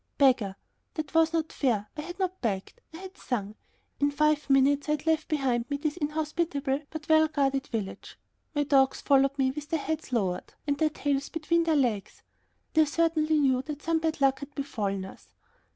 Beggar! That was not fair. I had not begged; I had sung. In five minutes I had left behind me this inhospitable, but well guarded, village. My dogs followed me with their heads lowered, and their tails between their legs. They certainly knew that some bad luck had befallen us.